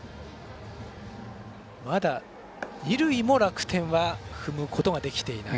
まだ二塁も楽天は踏むことができていない。